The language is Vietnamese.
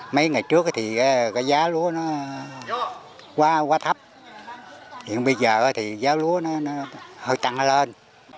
mấy ngày trước thì cái giá lúa nó quá thấp hiện bây giờ thì giá lúa nó hơi tăng lên